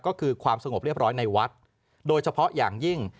ก็คือความสงบเรียบร้อยในวัดโดยเฉพาะอย่างยิ่ง